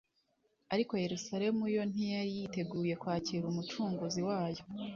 Ariko Yerusalemu yo ntiyari yiteguye kwakira Umucunguzi wayo.